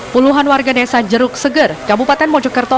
puluhan warga desa jeruk seger kabupaten mojokerto